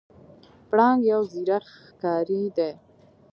پړانګ یو زیرک ښکاری دی.